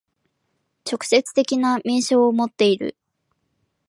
直接的な明証をもっている。